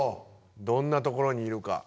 どんなところにいるか。